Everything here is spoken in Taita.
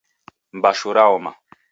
Mbashu raoma